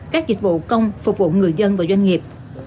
các dịch vụ công phục vụ người dân và doanh nghiệp